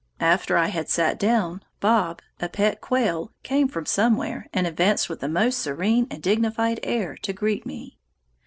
After I had sat down, "Bob," a pet quail, came from somewhere, and advanced with the most serene and dignified air to greet me.